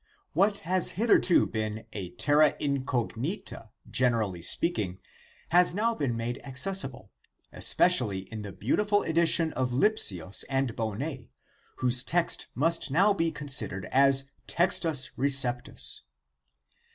What has hitherto been a terra incog nita generally speaking, has now been made accessi ble, especially by the beautiful edition of Lipsius and Bonnet, whose text must now be considered as textits receptus.